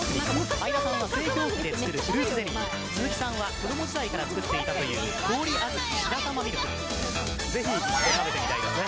相田さんは製氷機で作るフルーツゼリー鈴木さんは子ども時代から作っていたという氷あずき白玉ミルクぜひ一度食べてみたいですね